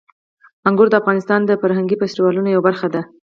انګور د افغانستان د فرهنګي فستیوالونو یوه برخه ده.